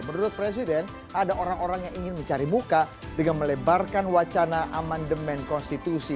menurut presiden ada orang orang yang ingin mencari muka dengan melebarkan wacana amandemen konstitusi